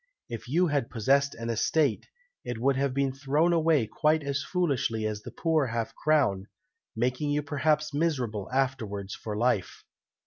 If you had possessed an estate, it would have been thrown away quite as foolishly as the poor half crown, making you perhaps miserable afterwards for life."